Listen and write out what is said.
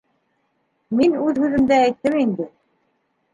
Мин үҙ һүҙемде әйттем инде.